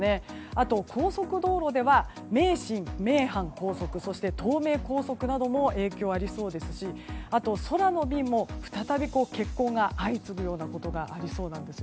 あと、高速道路では名神、名阪高速そして東名高速なども影響ありそうですしあとは空の便も再び欠航が相次ぐようなことがありそうです。